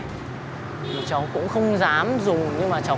cả ba thằng cùng đây đúng không